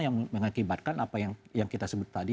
yang mengakibatkan apa yang kita sebut tadi